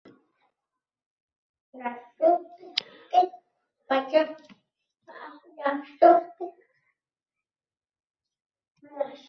Bola bobosining ortidan xuddi yuki ogʻir aravaday boshini egib, qulogʻini ding qilib qadam tashlardi…